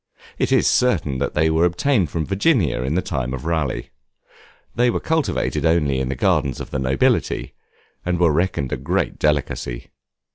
It is certain they were obtained from Virginia in the time of Raleigh; they were cultivated only in the gardens of the nobility, and were reckoned a great delicacy.